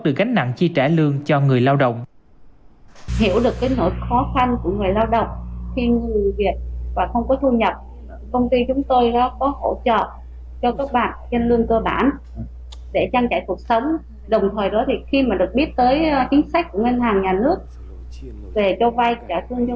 được gánh nặng chi trả lương cho người lao động